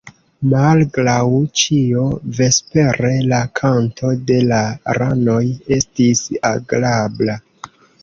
Malgraŭ ĉio, vespere la kanto de la ranoj estis agrabla.